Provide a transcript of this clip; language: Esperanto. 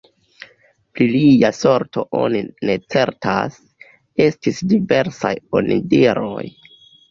Pri lia sorto oni ne certas: estis diversaj onidiroj.